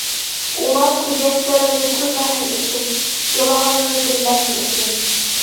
Улар күҙ йәштәремде күрмәһен өсөн, илағанымды белмәһен өсөн.